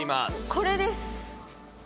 これです。